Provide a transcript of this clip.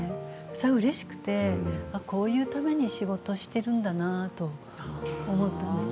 それがうれしくてこういうために仕事をしているんだなと思ったんです。